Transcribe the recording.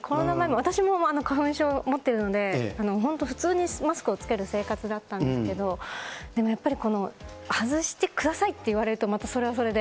私も花粉症持ってるので、本当、普通にマスクを着ける生活だったんですけれども、でもやっぱり、外してくださいというとそれはそれで。